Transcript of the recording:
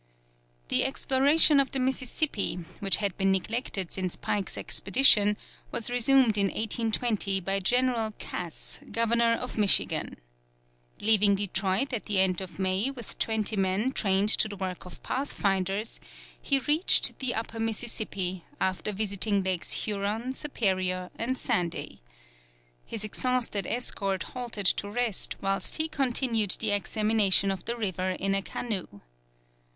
The exploration of the Mississippi, which had been neglected since Pike's expedition, was resumed in 1820 by General Cass, Governor of Michigan. Leaving Detroit at the end of May with twenty men trained to the work of pathfinders, he reached the Upper Mississippi, after visiting Lakes Huron, Superior, and Sandy. His exhausted escort halted to rest whilst he continued the examination of the river in a canoe.